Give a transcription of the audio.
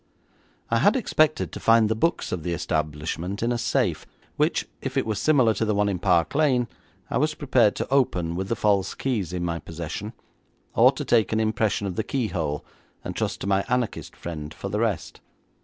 I had expected to find the books of the establishment in a safe, which, if it was similar to the one in Park Lane, I was prepared to open with the false keys in my possession or to take an impression of the keyhole and trust to my anarchist friend for the rest.